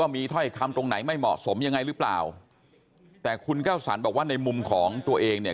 มีถ้อยคำตรงไหนไม่เหมาะสมยังไงหรือเปล่าแต่คุณแก้วสรรบอกว่าในมุมของตัวเองเนี่ย